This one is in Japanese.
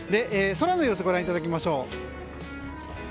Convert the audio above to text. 空の様子ご覧いただきましょう。